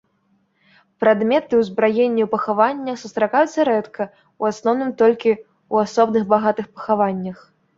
Прадметы ўзбраення ў пахаваннях сустракаюцца рэдка, у асноўным толькі ў асобных багатых пахаваннях.